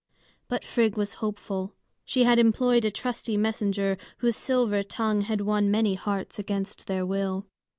But Frigg was hopeful; she had employed a trusty messenger, whose silver tongue had won many hearts against their will.